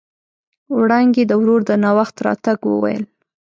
وړانګې د ورور د ناوخت راتګ وويل.